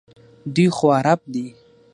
دوی خو عرب دي.